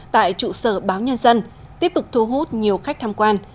tại trụ sở báo nhân dân tiếp tục thu hút nhiều khách tham quan